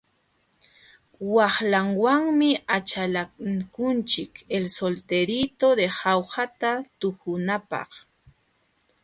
Waqlawanmi achalakunchik El solterito de jaujata tuhunapaq.